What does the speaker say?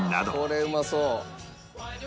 これうまそう！